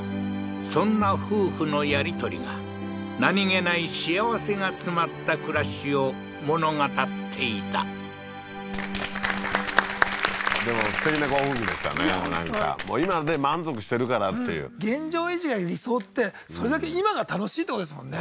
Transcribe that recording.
そんな夫婦のやり取りが何げない幸せが詰まった暮らしを物語っていたでもすてきなご夫婦でしたねなんか今で満足してるからっていう現状維持が理想ってそれだけ今が楽しいってことですもんね